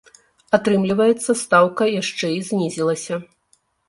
Атрымліваецца, стаўка яшчэ і знізілася!